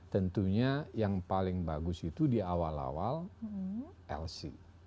tentunya yang paling bagus itu di awal awal lc